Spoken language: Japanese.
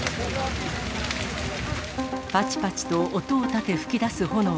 ぱちぱちと音を立て噴き出す炎。